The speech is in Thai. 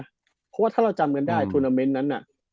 เพราะว่าถ้าเราจำกันได้ทวนาเมนต์นั้นน่ะ